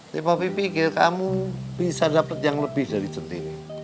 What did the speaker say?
tapi papi pikir kamu bisa dapet yang lebih dari centini